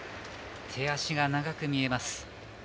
手足が長く見えます。